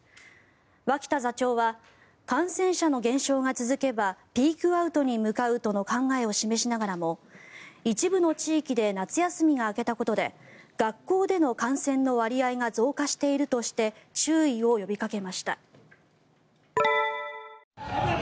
脇田座長は感染者の減少が続けばピークアウトに向かうとの考えを示しながらも一部の地域で夏休みが明けたことで学校での感染の割合が増加しているとして注意を呼びかけました。